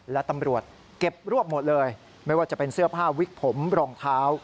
และตำรวจเก็บรวบหมดเลยไม่ว่าจะเป็นเสื้อผ้าวิกผมรองเท้า